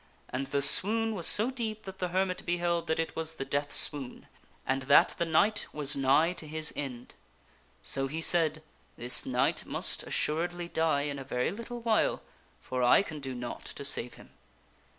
And the swoon was so deep that the hermit beheld that it was the death swoon, and that the knight was nigh to his end.' So he said, " This knight must assuredly die in a very little while, for I can do naught to save him."